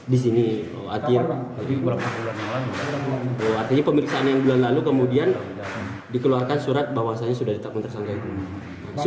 di sini artinya pemeriksaan yang bulan lalu kemudian dikeluarkan surat bahwasannya sudah ditetapkan tersangka itu